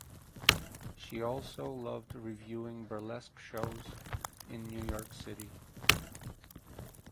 She also loved reviewing burlesque shows in New York City.